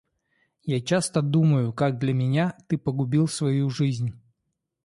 Я часто думаю, как для меня ты погубил свою жизнь.